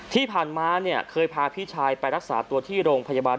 ที่ผ่านมาเนี่ยเคยพาพี่ชายไปรักษาตัวที่โรงพยาบาล